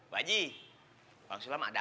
bu haji bang sulam ada